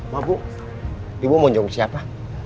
mbak bu ibu mau jenguk siapa